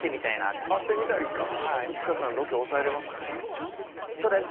会ってみたいですか？